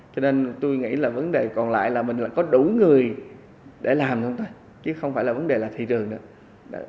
cho nên tôi nghĩ là vấn đề còn lại là mình lại có đủ người để làm thôi chứ không phải là vấn đề là thị trường nữa